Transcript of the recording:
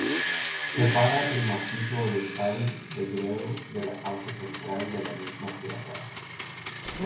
Separa el Macizo Oriental de Gredos de la parte central de la misma sierra.